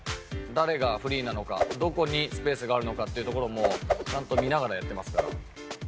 誰がフリーなのか、どこにスペースがあるのかっていうところを、もうちゃんと見ながらやってます。